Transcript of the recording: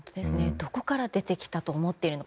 どこから出てきたと思っているのか。